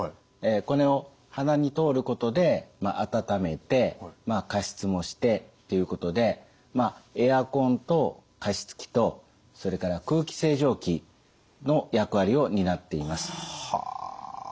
これを鼻に通ることで温めて加湿もしてということでエアコンと加湿器とそれから空気清浄機の役割を担っています。